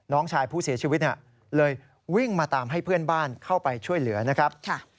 น้องชายผู้เสียชีวิตเลยวิ่งมาตามให้เพื่อนบ้านเข้าไปช่วยเหลือนะครับ